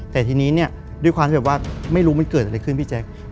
แต่ทีนี้เนี่ยด้วยความที่แบบว่าไม่รู้มันเกิดอะไรขึ้นพี่แจ๊ค